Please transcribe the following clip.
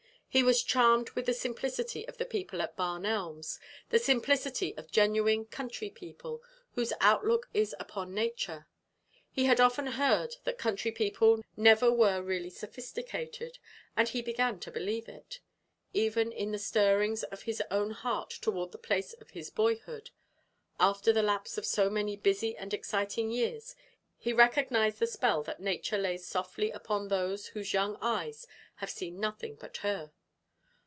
He was charmed with the simplicity of the people at Barn Elms the simplicity of genuine country people, whose outlook is upon nature. He had often heard that country people never were really sophisticated, and he began to believe it. Even in the stirrings of his own heart toward the place of his boyhood, after the lapse of so many busy and exciting years, he recognized the spell that Nature lays softly upon those whose young eyes have seen nothing but her.